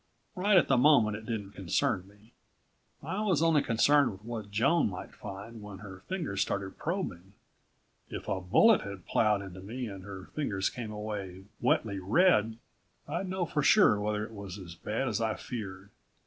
Right at the moment it didn't concern me. I was only concerned with what Joan might find when her fingers started probing. If a bullet had ploughed into me and her fingers came away wetly red I'd know for sure whether it was as bad as I feared.